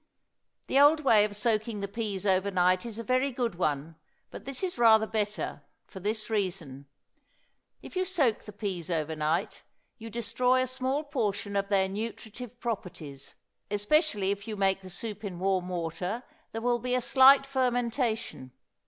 The old way of soaking the peas over night is a very good one, but this is rather better, for this reason: If you soak the peas over night you destroy a small portion of their nutritive properties; especially if you make the soup in warm water, there will be a slight fermentation.